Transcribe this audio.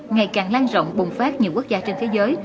ngày càng lan rộng bùng phát nhiều quốc gia trên thế giới